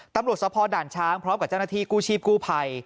สะพอด่านช้างพร้อมกับเจ้าหน้าที่กู้ชีพกู้ภัย